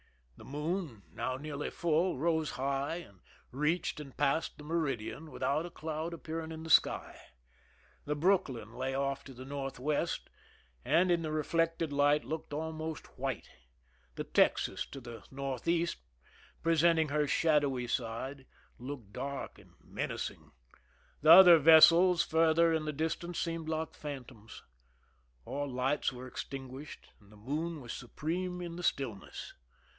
The moon, \ now nearly full, rose high, and reached and passed the meridian without a cloud appearing in the sky. The Brooldyn lay off to the northwest, and in the reflected light looked almost white ; the Texas^ to ; the northeast, presenting her shadowy side, looked dark and menacing. The other vessels farther in the distance seemed like phantoms. All lights were extinguished, and the moon was supreme in the stillness.